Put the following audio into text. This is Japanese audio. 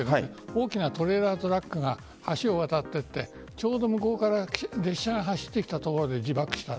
大きなトレーラートラックが橋を渡ってちょうど向こうから列車が走ってきたところで自爆した。